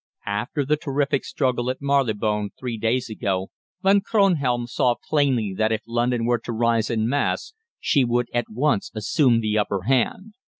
"After the terrific struggle in Marylebone three days ago, Von Kronhelm saw plainly that if London were to rise en masse she would at once assume the upper hand.